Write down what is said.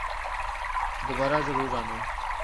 دوبارہ ضرور آنا